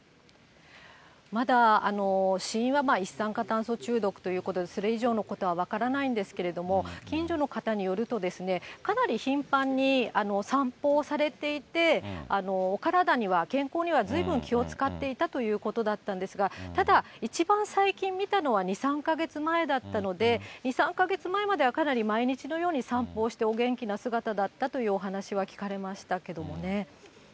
まだ、死因は一酸化炭素中毒ということで、それ以上のことは分からないんですけども、近所の方によると、かなり頻繁に散歩をされていて、お体には、健康にはずいぶん気を遣っていたということだったんですが、ただ、一番最近見たのは２、３か月前だったので、２、３か月前までは、かなり毎日のように散歩をして、お元気な姿だったというお話は聞分かりました。